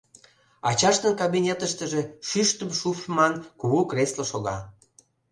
Ачаштын кабинетыштыже шӱштым шупшман кугу кресло шога.